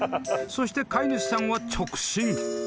［そして飼い主さんは直進］